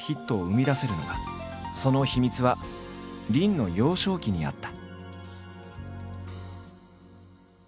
その秘密は林の幼少期にあった。